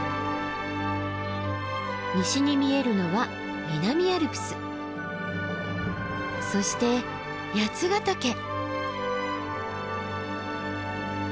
西に見えるのは南アルプスそして八ヶ岳。